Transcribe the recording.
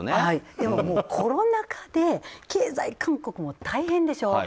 今、コロナ禍で経済、韓国も大変でしょ。